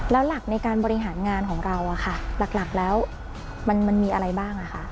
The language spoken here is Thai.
แล้วหลักในการบริหารงานของเราหลักแล้วมันมีอะไรบ้าง